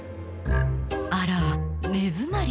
「あら根詰まり？